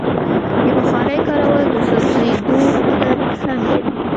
د بخارۍ کارول د سوځېدو خطر هم لري.